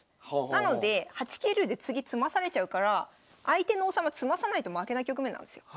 なので８九竜で次詰まされちゃうから相手の王様詰まさないと負けな局面なんですよ。